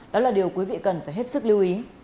đó là điều quý vị cần phải hết sức lưu ý